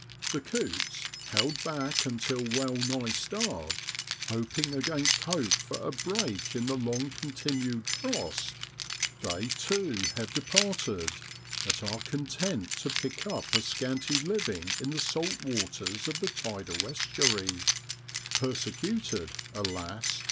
The coots, held back until well nigh starved, hoping against hope for a break in the long continued frost they, too, have departed, but are content to pick up a scanty living in the salt waters of the tidal estuary, persecuted, alas